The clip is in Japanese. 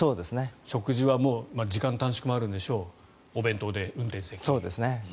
食事は時間短縮もあるんでしょうお弁当で、運転席で。